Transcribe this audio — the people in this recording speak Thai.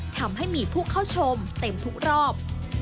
ทำให้มีผู้เข้าชมเต็มทุกรอบ